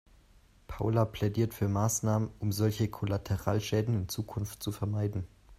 Paula plädiert für Maßnahmen, um solche Kollateralschäden in Zukunft zu vermeiden.